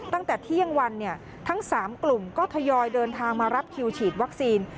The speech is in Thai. ตั้งแต่เที่ยงวันทั้ง๓กลุ่มก็ทยอยเดินทางมารับคิวฉีดวัคซีน